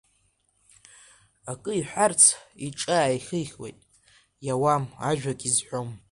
Акы иҳәарц, иҿы ааихихуеит, иауам, ажәак изҳәом.